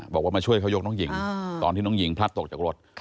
บอกว่ามาช่วยเขายกน้องหญิงตอนที่น้องหญิงพลัดตกจากรถ